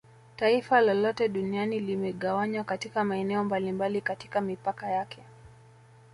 Taifa lolote duniani limegawanywa katika maeneo mbalimbali katika mipaka yake